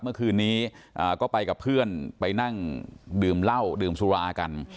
เมื่อคืนนี้ก็ไปกับเพื่อนไปนั่งดื่มเหล้าดื่มสุรากัน